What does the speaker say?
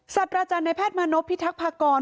สัตว์อาจารย์ในแพทย์มานพพิทักษภากร